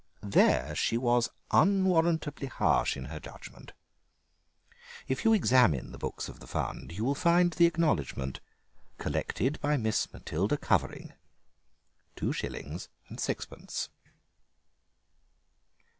There she was unwarrantably harsh in her judgment. If you examine the books of the fund you will find the acknowledgment: "Collected by Miss Matilda Cuvering, 2s. 6d."